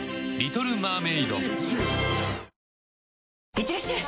いってらっしゃい！